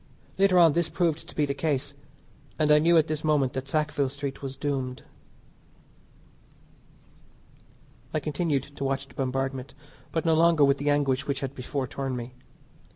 Later on this proved to be the case, and I knew at this moment that Sackville Street was doomed. I continued to watch the bombardment, but no longer with the anguish which had before torn me.